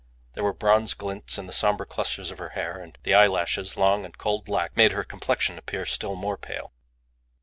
There were bronze glints in the sombre clusters of her hair, and the eyelashes, long and coal black, made her complexion appear still more pale.